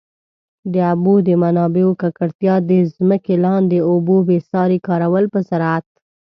د اوبو د منابعو ککړتیا، د ځمکي لاندي اوبو بي ساري کارول په زراعت.